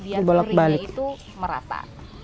biar keringnya itu merata